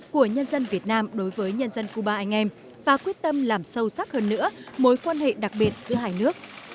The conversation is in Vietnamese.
của nhân dân việt nam đối với nhân dân cuba anh em và quyết tâm làm sâu sắc hơn nữa mối quan hệ đặc biệt giữa hai nước